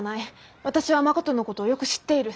私は誠のことをよく知っている。